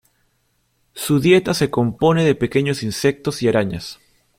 Su dieta se compone de pequeños insectos y arañas.